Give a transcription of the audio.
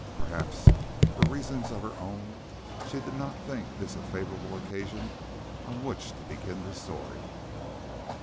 Perhaps, for reasons of her own, she did not think this a favourable occasion on which to begin the story.